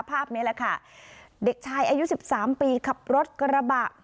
ภาพนี้แหละค่ะเด็กชายอายุสิบสามปีขับรถกระบะ